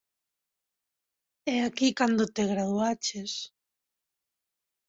E aquí cando te graduaches...